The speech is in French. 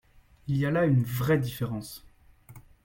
Il y a là une vraie différence.